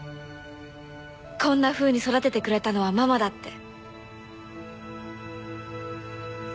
こんなふうに育ててくれたのはママだって。